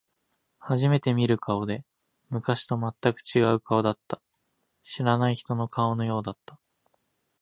初めて見る顔で、昔と全く違う顔だった。知らない人の顔のようだった。